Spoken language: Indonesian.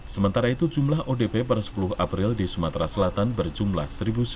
sementara itu jumlah odp pada sepuluh april di sumatera selatan berjumlah satu sembilan ratus lima puluh empat